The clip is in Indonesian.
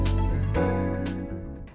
ini juga di pekanbaru